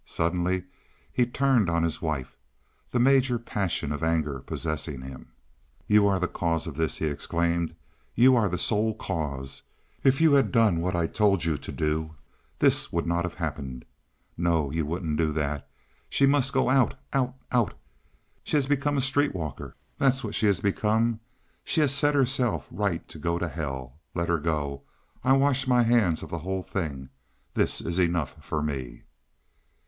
Suddenly he turned on his wife, the major passion of anger possessing him. "You are the cause of this," he exclaimed. "You are the sole cause. If you had done as I told you to do this would not have happened. No, you wouldn't do that. She must go out! out!! out!!! She has become a street walker, that's what she has become. She has set herself right to go to hell. Let her go. I wash my hands of the whole thing. This is enough for me."